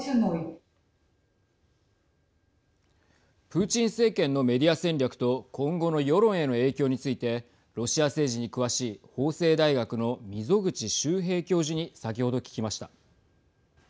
プーチン政権のメディア戦略と今後の世論への影響についてロシア政治に詳しい法政大学の溝口修平教授に先ほど聞きました。